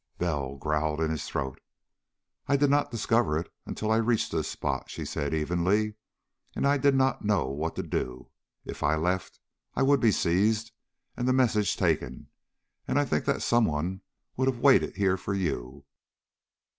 Bell growled in his throat. "I did not discover it until I reached this spot," she said evenly. "And I did not know what to do. If I left, I would be seized and the message taken and I think that someone would have waited here for you.